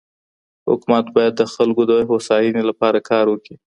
حکومت بايد د خلګو د هوساینې لپاره کار وکړي.